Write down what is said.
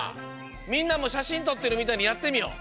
みんなもしゃしんとってるみたいにやってみよう！